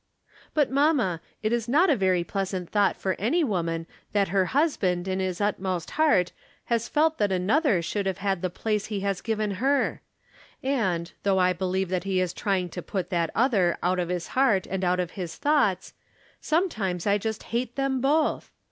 But, mamma, it is not a very pleasant thought for any woman that her husband in his inmost heart has felt that another should have had the place he has given her ; and, though I believe that he is trying to put that other out of his heart and out of his thoughts, sometimes I just hate them both.